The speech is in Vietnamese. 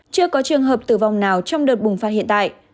chưa có trường hợp tử vong nào trong đợt bùng phát hiện tại